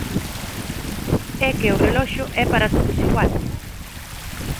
É que o reloxo é para todos igual.